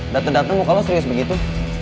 dada dada mau kalau serius begitu